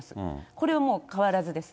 これはもう変わらずです。